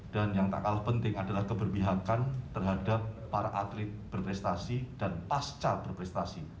dan yang tak kalah penting adalah keberpihakan terhadap para atlet berprestasi dan pasca berprestasi